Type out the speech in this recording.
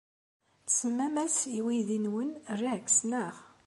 Tsemmam-as i weydi-nwen Rex, naɣ?